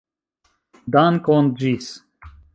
Dankon, ĝis!